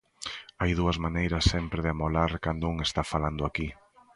Hai dúas maneiras sempre de amolar cando un está falando aquí.